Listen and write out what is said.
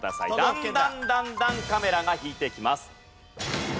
だんだんだんだんカメラが引いていきます。